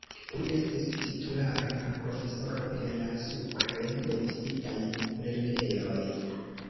Li estis titulara profesoro en la supre menciitaj lernejoj.